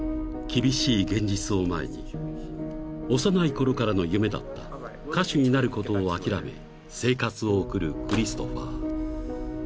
［厳しい現実を前に幼いころからの夢だった歌手になることを諦め生活を送る］